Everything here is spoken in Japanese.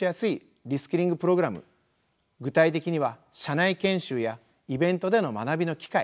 具体的には社内研修やイベントでの学びの機会